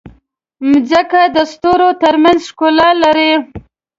مځکه د ستورو ترمنځ ښکلا لري.